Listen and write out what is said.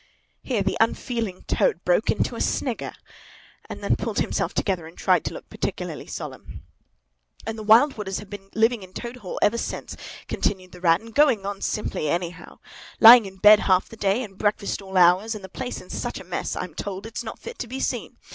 Here the unfeeling Toad broke into a snigger, and then pulled himself together and tried to look particularly solemn. "And the Wild Wooders have been living in Toad Hall ever since," continued the Rat; "and going on simply anyhow! Lying in bed half the day, and breakfast at all hours, and the place in such a mess (I'm told) it's not fit to be seen!